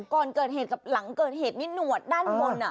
ก่อนเกิดเหตุกับหลังเกิดเหตุนี่หนวดด้านบน